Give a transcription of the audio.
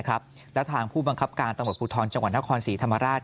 และทางผู้บังคับการตำรวจภูทรจังหวัดนครศรีธรรมราช